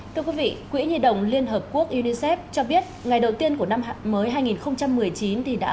thưa quý vị quỹ nhi đồng liên hợp quốc unicef cho biết ngày đầu tiên của năm mới hai nghìn một mươi chín đã